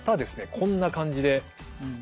こんな感じで。